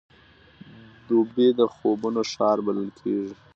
دوبی د خوبونو ښار بلل کېږي.